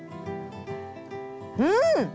うん！